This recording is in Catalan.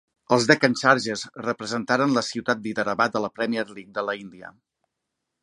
Els Deccan Chargers representaren la ciutat d'Hyderabad a la Premier League de la Índia.